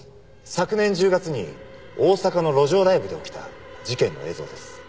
昨年１０月に大阪の路上ライブで起きた事件の映像です。